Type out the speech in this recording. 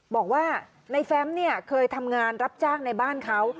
บอกว่าในแฟมเนี่ยเคยทำงานรับจ้างในบ้านเขา